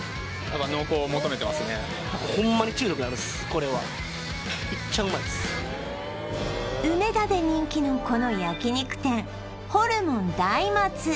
これは梅田で人気のこの焼肉店ホルモン大松